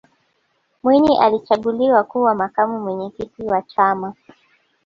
mwinyi alichaguliwa kuwa makamu mwenyekiti wa chama